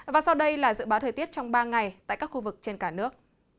và sau đây là dự báo thời tiết trong ba ngày tại các khu vực trên cả nước